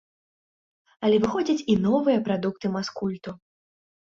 Але выходзяць і новыя прадукты маскульту.